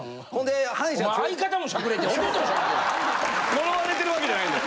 呪われてるわけじゃないんで。